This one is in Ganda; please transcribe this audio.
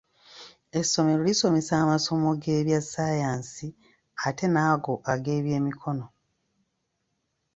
Essomero lisomesa amasomo g'ebya ssayansi ate n'ago ag'ebyemikono